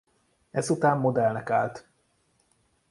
Ezután modellnek állt.